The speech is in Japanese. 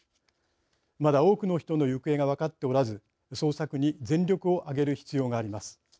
まだ、多くの人の行方が分かっておらず、捜索に全力を挙げる必要があります。